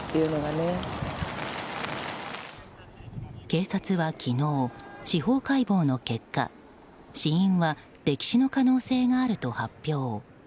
警察は昨日、司法解剖の結果死因は溺死の可能性があると発表。